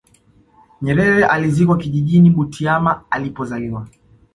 nyerere alizikwa kijijini butiama alipozaliwa